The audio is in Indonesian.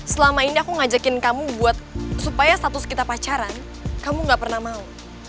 selama ini aku ngajakin kamu buat supaya status kita pacaran kamu gak pernah mau